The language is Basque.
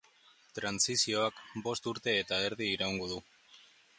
Trantsizioak bost urte eta erdi iraungo du.